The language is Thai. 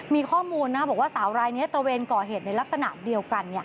มีข้อมูลนะบอกว่าสาวรายนี้ตระเวนก่อเหตุในลักษณะเดียวกัน